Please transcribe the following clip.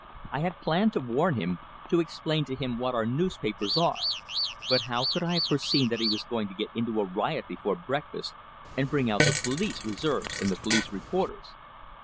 I had planned to warn him, to explain to him what our newspapers are; but how could I have foreseen that he was going to get into a riot before breakfast, and bring out the police reserves and the police reporters?